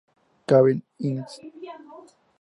Cavia Inc.